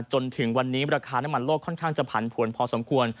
จนถึงวันนี้ราคาน้ำมันโลกค่อนข้างจะผันผวนพอสมควร